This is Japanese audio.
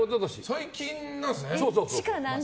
最近なんですね。